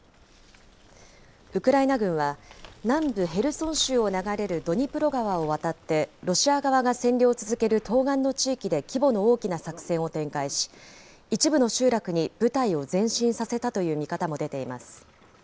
ウクライナ軍は、南部ヘルソン州を流れるドニプロ川を渡って、ロシア側が占領を続ける東岸の地域で規模の大きな作戦を展開し、一部の集落に部隊を前進させたという見方も出ています。